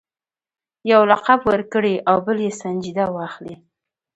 یو لقب ورکړي او بل یې سنجیده واخلي.